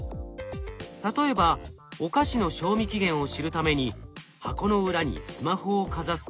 例えばお菓子の賞味期限を知るために箱の裏にスマホをかざすと。